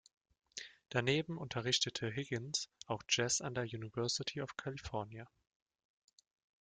Daneben unterrichtete Higgins auch Jazz an der University of California.